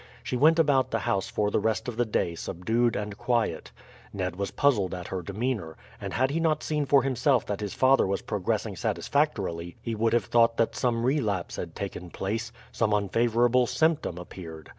She went about the house for the rest of the day subdued and quiet. Ned was puzzled at her demeanour, and had he not seen for himself that his father was progressing satisfactorily he would have thought that some relapse had taken place, some unfavourable symptom appeared.